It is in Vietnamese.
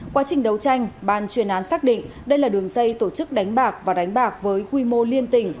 quá trình đấu tranh ban chuyên án xác định đây là đường dây tổ chức đánh bạc và đánh bạc với quy mô liên tỉnh